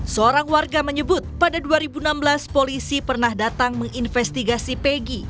seorang warga menyebut pada dua ribu enam belas polisi pernah datang menginvestigasi pegi